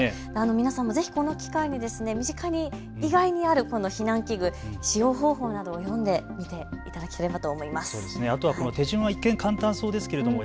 皆さんもぜひこの機会に身近に意外にある、避難器具の使用方法などを読んでみていただければと思います。